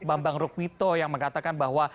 bambang rukmito yang mengatakan bahwa